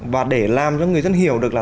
và để làm cho người dân hiểu được là